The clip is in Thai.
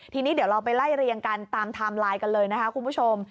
ทีนี้เดี๋ยวเราไปไล่เรียงกันตามไทม์ไลน์กันเลยนะคะคุณผู้ชม